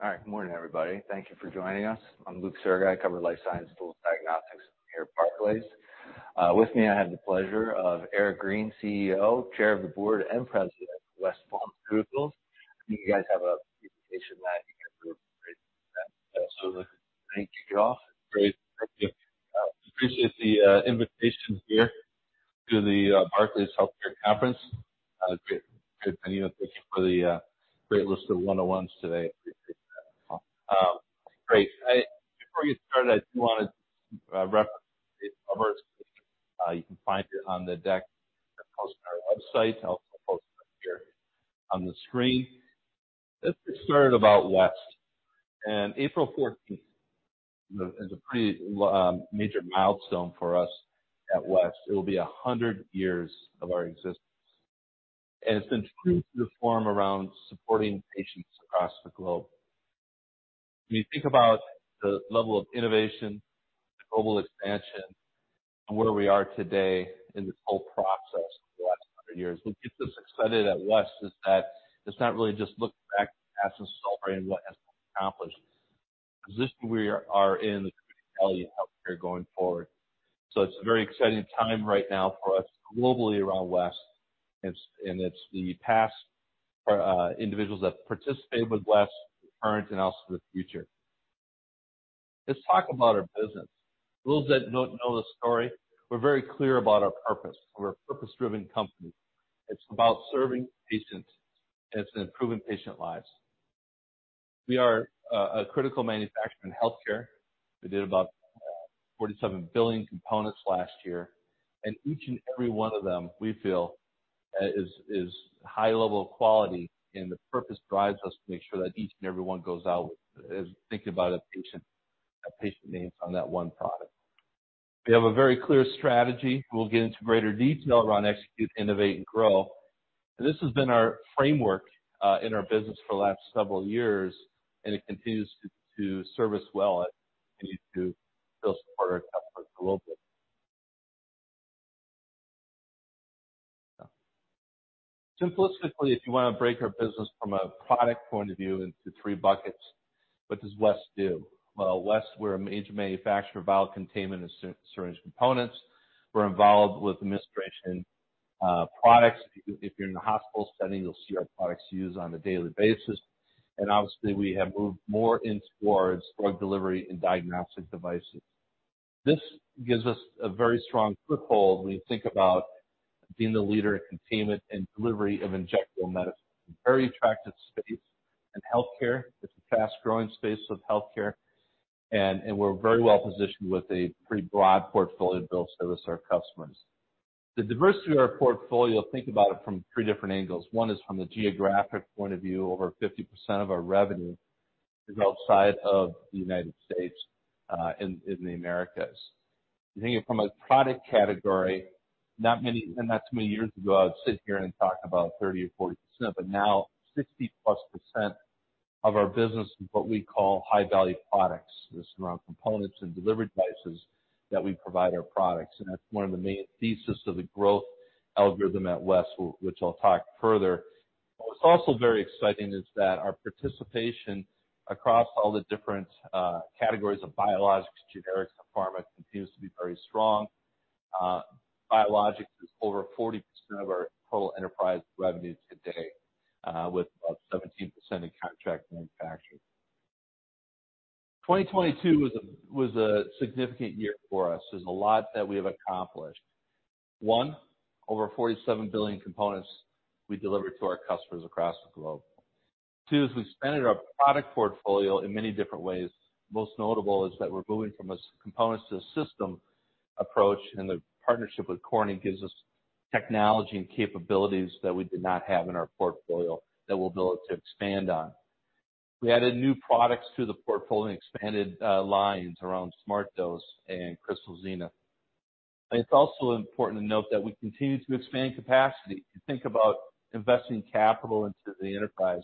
All right. Good morning, everybody. Thank you for joining us. I'm Luke Sergott. I cover Life Science Tools and Diagnostics here at Barclays. With me, I have the pleasure of Eric Green, CEO, Chair of the Board, and President of West Pharmaceutical. I think you guys have a presentation that I think is really great. With that, I'll turn it over to you to kick it off. Great. Thank you. Appreciate the invitation here to the Barclays Healthcare Conference. Great venue. Thank you for the great list of one-on-ones today. Appreciate that as well. Great. Before we get started, I do wanna you can find it on the deck that's posted on our website. I'll also post it up here on the screen. Let's get started about West. In April 14th is a pretty major milestone for us at West. It'll be 100 years of our existence, and it's been true to the form around supporting patients across the globe. When you think about the level of innovation, global expansion, and where we are today in this whole process for the last 100 years, what gets us excited at West is that it's not really just looking back at the past and celebrating what West has accomplished. The position we are in, is the criticality of healthcare going forward. It's a very exciting time right now for us globally around West. It's the past individuals that participated with West, current, and also the future. Let's talk about our business. For those that don't know the story, we're very clear about our purpose. We're a purpose-driven company. It's about serving patients, and it's improving patient lives. We are a critical manufacturer in healthcare. We did about 47 billion components last year. Each and every one of them, we feel, is high level of quality. The purpose drives us to make sure that each and every one goes out with thinking about a patient needs on that one product. We have a very clear strategy. We'll get into greater detail around execute, innovate, and grow. This has been our framework in our business for the last several years, and it continues to serve us well and continue to build support our customers globally. Simplistically, if you wanna break our business from a product point of view into three buckets, what does West do? Well, West, we're a major manufacturer of vial containment and syringe components. We're involved with administration products. If you're in the hospital setting, you'll see our products used on a daily basis. Obviously, we have moved more in towards drug delivery and diagnostic devices. This gives us a very strong foothold when you think about being the leader in containment and delivery of injectable medicine. Very attractive space in healthcare. It's a fast-growing space of healthcare, and we're very well-positioned with a pretty broad portfolio to build service to our customers. The diversity of our portfolio, think about it from 3 different angles. One is from the geographic point of view. Over 50% of our revenue is outside of the United States in the Americas. You think from a product category, not too many years ago, I would sit here and talk about 30% or 40%, now 60%+ of our business is what we call high-value products. It's around components and delivery devices that we provide our products, that's one of the main thesis of the growth algorithm at West, which I'll talk further. What's also very exciting is that our participation across all the different categories of biologics, generics, and pharma continues to be very strong. Biologics is over 40% of our total enterprise revenue today, with about 17% in contract manufacturing. 2022 was a significant year for us. There's a lot that we have accomplished. One, over 47 billion components we delivered to our customers across the globe. Two is we expanded our product portfolio in many different ways. Most notable is that we're moving from a components to a system approach, the partnership with Corning gives us technology and capabilities that we did not have in our portfolio that we'll be able to expand on. We added new products to the portfolio and expanded lines around SmartDose and Crystal Zenith. It's also important to note that we continue to expand capacity. You think about investing capital into the enterprise,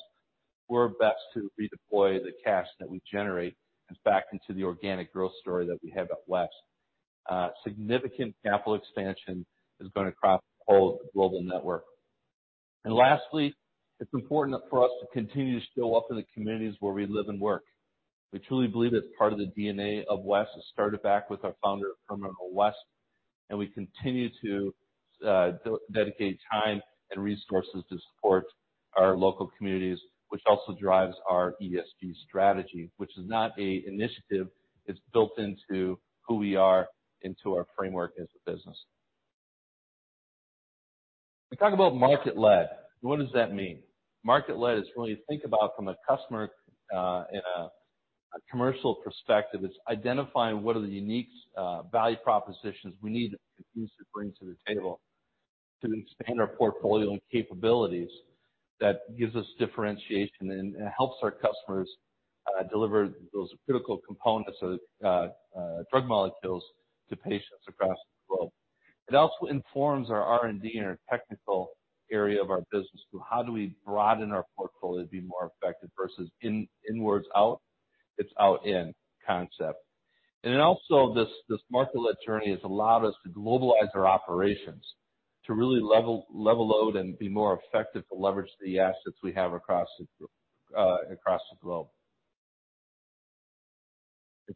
we're best to redeploy the cash that we generate back into the organic growth story that we have at West. Significant capital expansion is going across the whole global network. Lastly, it's important for us to continue to show up in the communities where we live and work. We truly believe it's part of the DNA of West. It started back with our founder, Herman O. West, we continue to dedicate time and resources to support our local communities, which also drives our ESG strategy, which is not a initiative. It's built into who we are, into our framework as a business. We talk about market-led. What does that mean? Market-led is really think about from a customer and a commercial perspective. It's identifying what are the unique value propositions we need, to continue to bring to the table, to expand our portfolio and capabilities that gives us differentiation and helps our customers deliver those critical components of drug molecules to patients across the globe. It also informs our R&D and our technical area of our business to how do we broaden our portfolio to be more effective versus inwards out. It's out in concept. This market-led journey has allowed us to globalize our operations to really level load and be more effective to leverage the assets we have across the globe.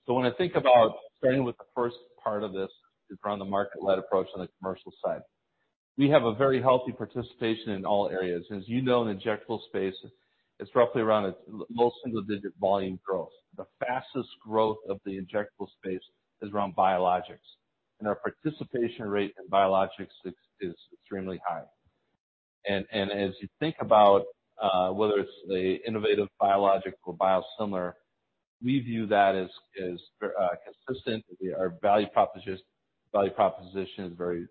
When I think about starting with the first part of this is around the market-led approach on the commercial side. We have a very healthy participation in all areas. As you know, in the injectable space, it's roughly around a low single-digit volume growth. The fastest growth of the injectable space is around biologics, and our participation rate in biologics is extremely high. As you think about, whether it's the innovative biologic or biosimilar, we view that as consistent. Our value proposition is very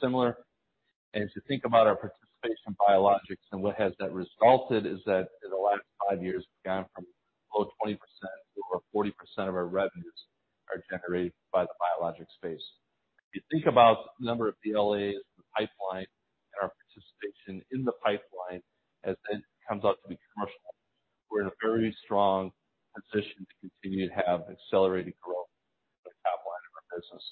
similar. As you think about our participation in biologics and what has that resulted is that in the last five years, we've gone from below 20% to over 40% of our revenues are generated by the biologic space. If you think about the number of BLAs in the pipeline and our participation in the pipeline as it comes out to be commercial, we're in a very strong position to continue to have accelerated growth in the top line of our business.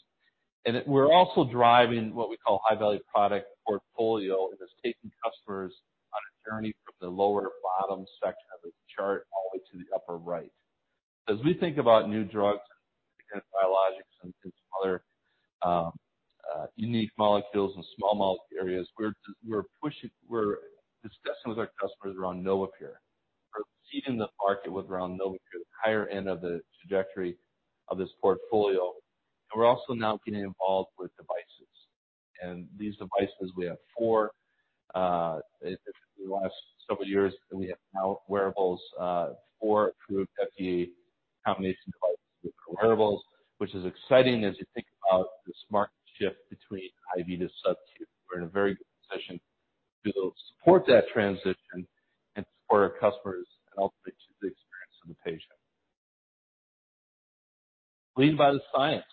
We're also driving what we call high-value product portfolio, and it's taking customers on a journey from the lower bottom section of the chart all the way to the upper right. As we think about new drugs and biologics, and some other unique molecules and small molecule areas, we're discussing with our customers around NovaPure. We're seeing the market with around NovaPure, the higher end of the trajectory of this portfolio. We're also now getting involved with devices. These devices, we have four in the last several years, and we have now wearables, four approved FDA combination devices with wearables, which is exciting as you think about the smart shift between IV to SubQ. We're in a very good position to support that transition and support our customers and ultimately the experience of the patient. Lead by the science.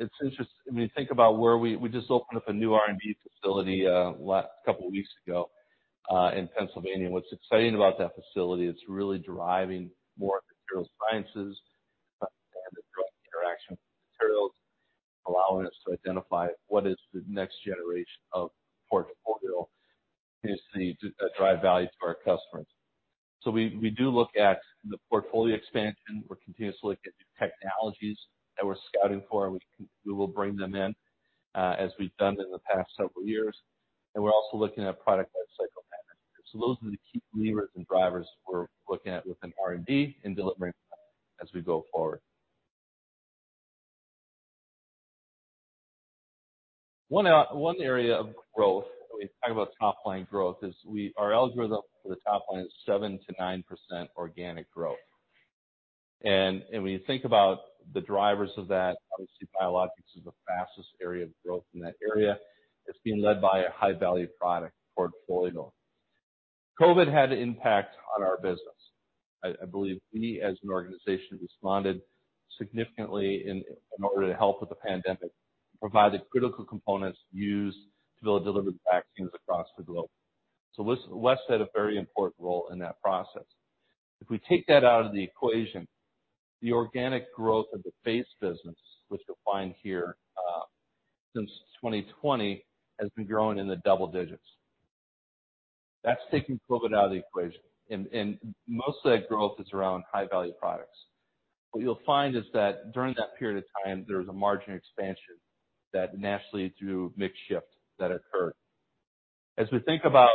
I mean, think about where we just opened up a new R&D facility last couple of weeks ago in Pennsylvania. What's exciting about that facility, it's really driving more material sciences and the drug interaction with materials, allowing us to identify what is the next generation of portfolio continuously to drive value to our customers. We do look at the portfolio expansion. We're continuously looking at new technologies that we're scouting for, and we will bring them in, as we've done in the past several years. We're also looking at product lifecycle management. Those are the key levers and drivers we're looking at within R&D and delivering as we go forward. One area of growth, when we talk about top-line growth, is our algorithm for the top line is 7%-9% organic growth. When you think about the drivers of that, obviously, biologics is the fastest area of growth in that area. It's being led by a high-value product portfolio. COVID had an impact on our business. I believe we as an organization responded significantly in order to help with the pandemic, provided critical components used to be able to deliver vaccines across the globe. West had a very important role in that process. If we take that out of the equation, the organic growth of the base business, which you'll find here, since 2020 has been growing in the double digits. That's taking COVID out of the equation. Most of that growth is around high-value products. What you'll find is that during that period of time, there was a margin expansion that naturally through mix shift that occurred. As we think about,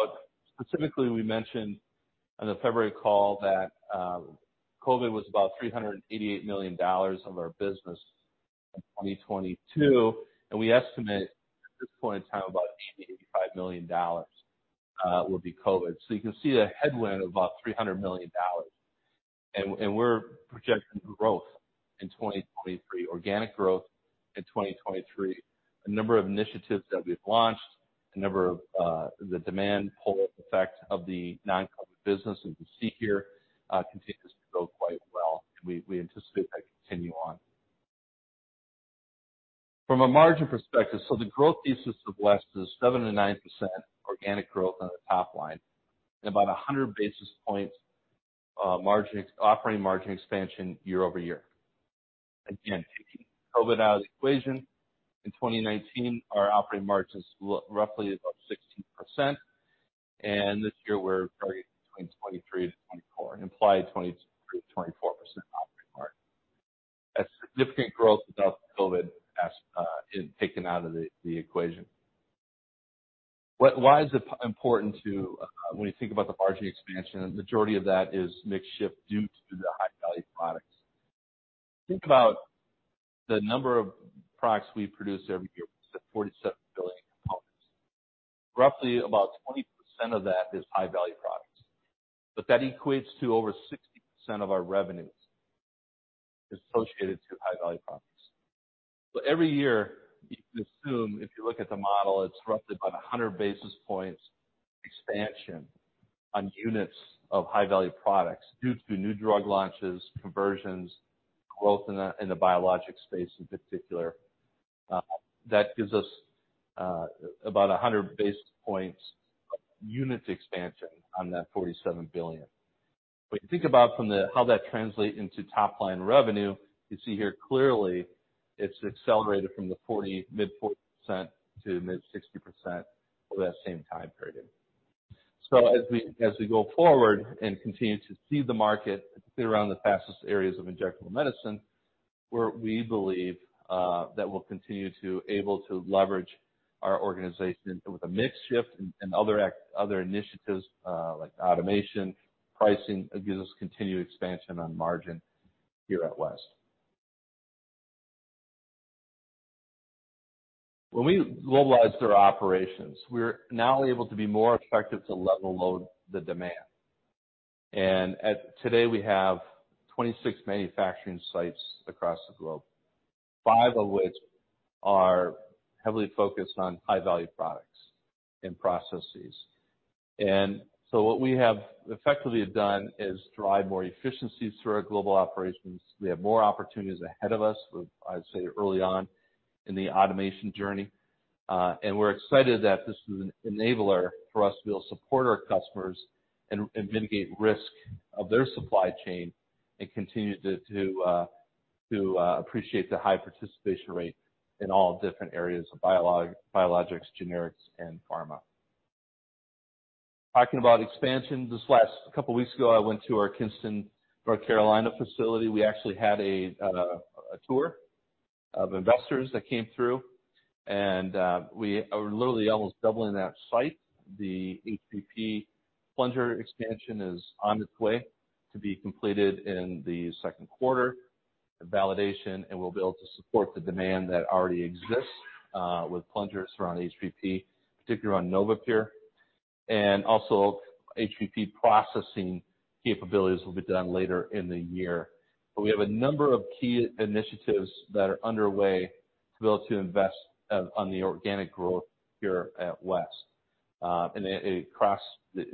specifically, we mentioned on the February call that, COVID was about $388 million of our business in 2022, and we estimate at this point in time, about $80 million-$85 million, will be COVID. You can see a headwind of about $300 million. We're projecting growth in 2023, organic growth in 2023. A number of initiatives that we've launched, a number of the demand pull effect of the non-COVID business, as you see here, continues to grow quite well. We anticipate that continue on. From a margin perspective, so the growth thesis of West is 7%-9% organic growth on the top line and about 100 basis points operating margin expansion year-over-year. Again, taking COVID out of the equation, in 2019, our operating margin is roughly about 16%, and this year we're targeting between 23%-24%, implied 24% operating margin. That's significant growth without COVID as in, taken out of the equation. Why is it important to, when you think about the margin expansion, the majority of that is mix shift due to the high-value products. Think about the number of products we produce every year, 47 billion components. Roughly about 20% of that is high-value products. That equates to over 60% of our revenues associated to high-value products. Every year, you can assume, if you look at the model, it's roughly about 100 basis points expansion on units of high-value products due to new drug launches, conversions, growth in the biologic space in particular. That gives us about 100 basis points of units expansion on that $47 billion. When you think about from the how that translate into top line revenue, you see here clearly it's accelerated from the mid-40% to mid-60% over that same time period. As we go forward and continue to see the market, particularly around the fastest areas of injectable medicine, where we believe that we'll continue to able to leverage our organization with a mix shift and other initiatives, like automation, pricing, it gives us continued expansion on margin here at West. When we globalized our operations, we're now able to be more effective to level-load the demand. Today, we have 26 manufacturing sites across the globe, five of which are heavily focused on high-value products and processes. What we have effectively have done is drive more efficiencies through our global operations. We have more opportunities ahead of us. We're, I'd say, early on in the automation journey. We're excited that this is an enabler for us to be able to support our customers and mitigate risk of their supply chain and continue to appreciate the high participation rate in all different areas of biologics, generics, and pharma. Talking about expansion, couple weeks ago, I went to our Kinston, North Carolina facility. We actually had a tour of investors that came through, and we are literally almost doubling that site. The HPP plunger expansion is on its way to be completed in the second quarter, the validation, and we'll be able to support the demand that already exists with plungers around HPP, particularly around NovaPure. Also, HPP processing capabilities will be done later in the year. We have a number of key initiatives that are underway to be able to invest on the organic growth here at West, and across the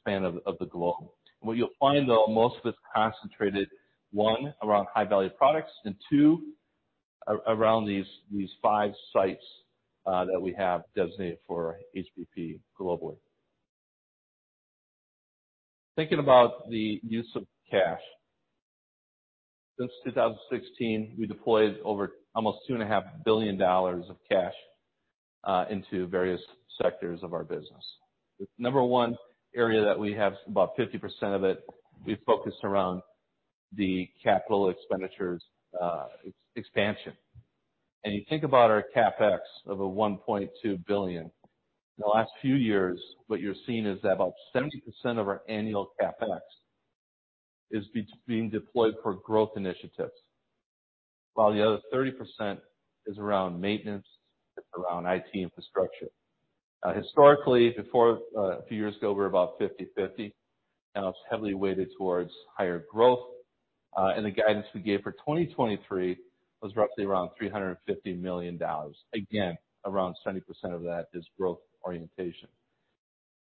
span of the globe. What you'll find, though, most of it's concentrated, one, around high-value products, and two, around these five sites that we have designated for HPP globally. Thinking about the use of cash. Since 2016, we deployed over almost $2.5 billion of cash into various sectors of our business. The number one area that we have, about 50% of it, we focused around the capital expenditures, expansion. You think about our CapEx of a $1.2 billion. In the last few years, what you're seeing is that about 70% of our annual CapEx is being deployed for growth initiatives, while the other 30% is around maintenance, it's around IT infrastructure. Historically, before a few years ago, we were about 50/50, and it was heavily weighted towards higher growth. The guidance we gave for 2023 was roughly around $350 million. Again, around 70% of that is growth orientation.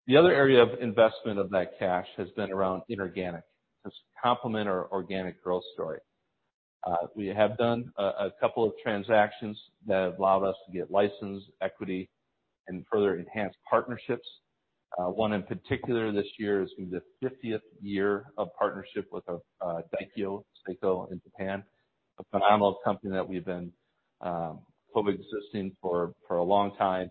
The other area of investment of that cash has been around inorganic to complement our organic growth story. We have done a couple of transactions that have allowed us to get license, equity, and further enhance partnerships. One in particular this year is gonna be the 50th year of partnership with Daikyo Seiko in Japan, a phenomenal company that we've been coexisting for a long time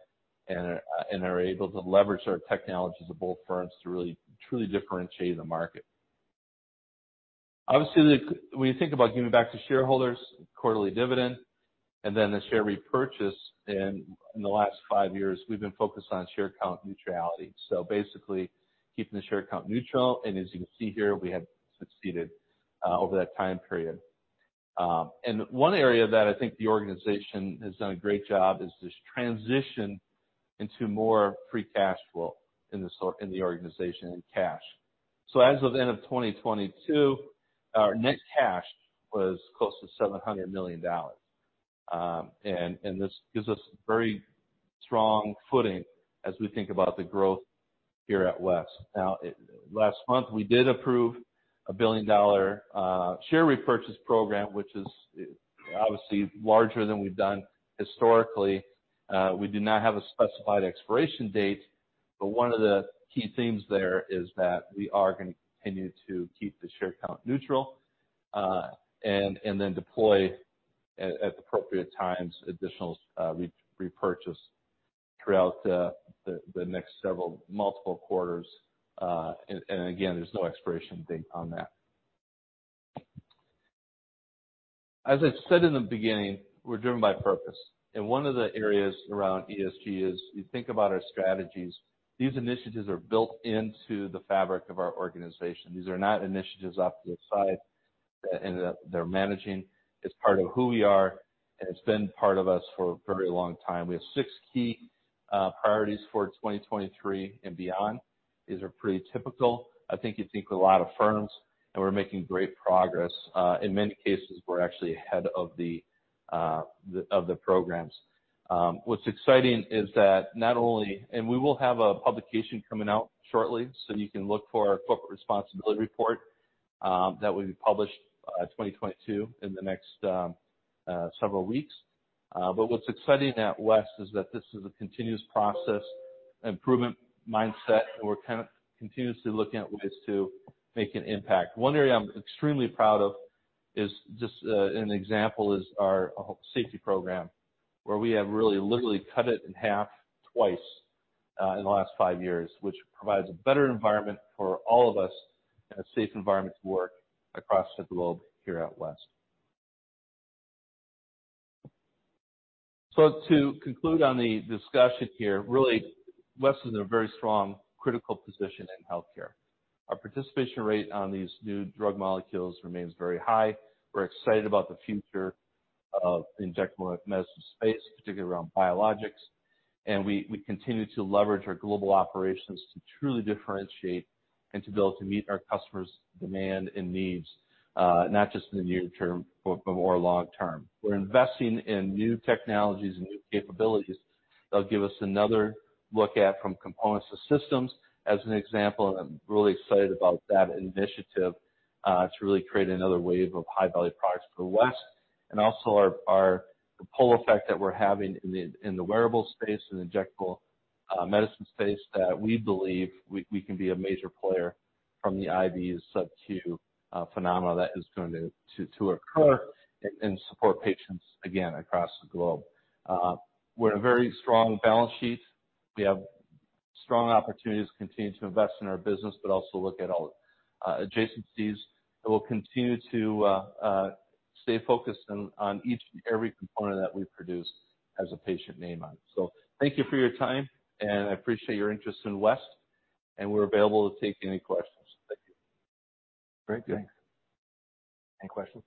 and are able to leverage our technologies of both firms to really truly differentiate the market. Obviously, when you think about giving back to shareholders, quarterly dividend, and then the share repurchase. In the last five years, we've been focused on share count neutrality. Basically, keeping the share count neutral. As you can see here, we have succeeded over that time period. One area that I think the organization has done a great job is this transition into more free cash flow in the organization in cash. As of end of 2022, our net cash was close to $700 million. This gives us very strong footing as we think about the growth here at West. Last month, we did approve $1 billion share repurchase program, which is obviously larger than we've done historically. We do not have a specified expiration date, but one of the key themes there is that we are gonna continue to keep the share count neutral and then deploy at appropriate times additional repurchase throughout the next several multiple quarters. Again, there's no expiration date on that. As I've said in the beginning, we're driven by purpose. One of the areas around ESG is, you think about our strategies, these initiatives are built into the fabric of our organization. These are not initiatives off to the side that end up they're managing. It's part of who we are, and it's been part of us for a very long time. We have six key priorities for 2023 and beyond. These are pretty typical, I think, you'd think with a lot of firms, and we're making great progress. In many cases, we're actually ahead of the programs. What's exciting, is that not only we will have a publication coming out shortly, so you can look for our corporate responsibility report that will be published 2022, in the next several weeks. What's exciting at West is that this is a continuous process improvement mindset, and we're kind of continuously looking at ways to make an impact. One area I'm extremely proud of is just an example is our safety program, where we have really literally cut it in half twice in the last five years, which provides a better environment for all of us and a safe environment to work across the globe here at West. To conclude on the discussion here, really, West is in a very strong critical position in healthcare. Our participation rate on these new drug molecules remains very high. We're excited about the future of the injectable medicines space, particularly around biologics. We continue to leverage our global operations to truly differentiate and to be able to meet our customers' demand and needs, not just in the near term, but more long term. We're investing in new technologies and new capabilities that'll give us another look at from components to systems, as an example, and I'm really excited about that initiative, to really create another wave of high-value products for West. Also the pull effect that we're having in the wearable space and injectable medicine space, that we believe we can be a major player from the IV to SubQ phenomena that is going to occur and support patients again across the globe. We're a very strong balance sheet. We have strong opportunities to continue to invest in our business, but also look at all adjacencies that will continue to stay focused on each and every component that we produce, has a patient name on it. Thank you for your time, and I appreciate your interest in West, and we're available to take any questions. Thank you. Very good. Thanks. Any questions?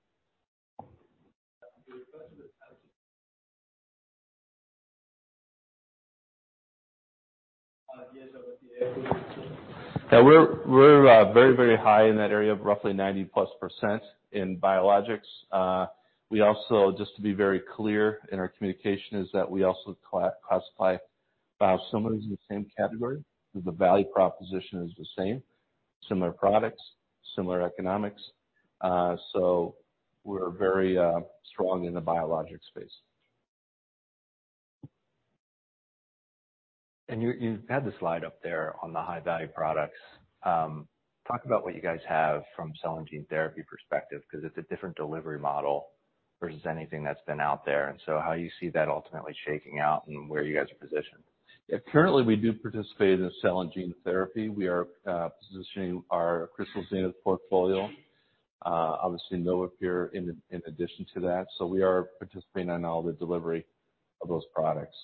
Yeah, we're very, very high in that area of roughly 90%+ in biologics. We also, just to be very clear in our communication, classify biosimilars in the same category because the value proposition is the same, similar products, similar economics. We're very strong in the biologic space. You had the slide up there on the high-value products. Talk about what you guys have from cell and gene therapy perspective, 'cause it's a different delivery model versus anything that's been out there, and so how you see that ultimately shaking out and where you guys are positioned? Yeah. Currently,, we do participate in cell and gene therapy. We are positioning our Crystal Zenith portfolio. Obviously, NovaPure in addition to that. We are participating on all the delivery of those products.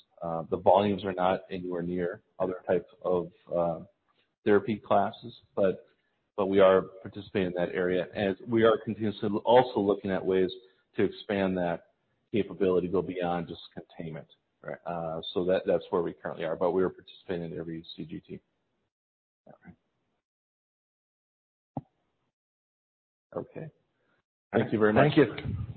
The volumes are not anywhere near other types of therapy classes, but we are participating in that area. We are continuously also looking at ways to expand that capability to go beyond just containment. That's where we currently are. We are participating in every CGT. Okay. Okay. Thank you very much. Thank you.